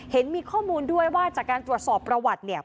เห็นมีข้อมูลด้วยว่าจากการตรวจสอบประวัติเนี่ย